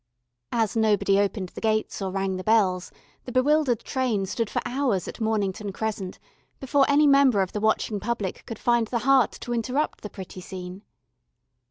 As nobody opened the gates or rang the bells, the bewildered train stood for hours at Mornington Crescent before any member of the watching public could find the heart to interrupt the pretty scene.